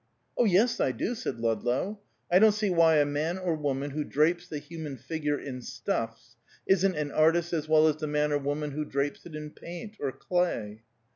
"Oh, yes, I do," said Ludlow. "I don't see why a man or woman who drapes the human figure in stuffs, isn't an artist as well as the man or woman who drapes it in paint or clay."